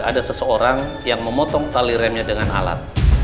ada seseorang yang memotong tali remnya dengan alat